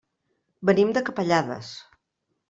Venim de Capellades.